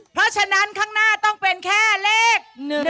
เพราะฉะนั้นข้างหน้าต้องเป็นแค่เลข๑๒